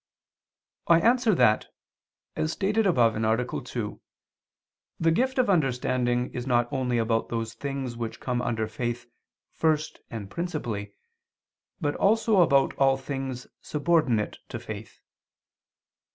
I answer that, As stated above (A. 2), the gift of understanding is not only about those things which come under faith first and principally, but also about all things subordinate to faith.